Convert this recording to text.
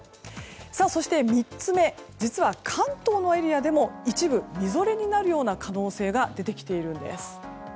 そして３つ目実は関東のエリアでも一部みぞれになる可能性が出てきているんです。